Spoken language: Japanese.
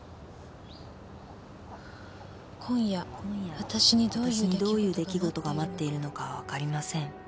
「今夜わたしにどういう出来事が待っているのかは分かりません」